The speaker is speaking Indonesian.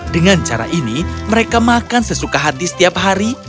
dengan cara ini mereka makan sesuka hati setiap hari